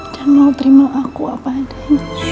kau mau terima aku apa dan